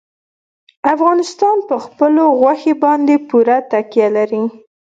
افغانستان په خپلو غوښې باندې پوره تکیه لري.